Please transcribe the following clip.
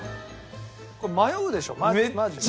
これ迷うでしょ？